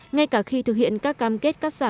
ngay cả khi thực hiện các cam kết các tương lai